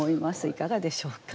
いかがでしょうか？